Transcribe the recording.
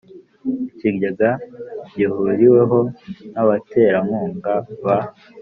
Ikigega gihuriweho n abaterankunga ba